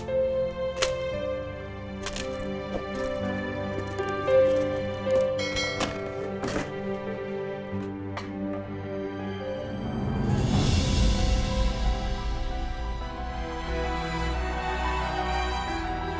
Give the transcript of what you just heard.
uangnya udah ada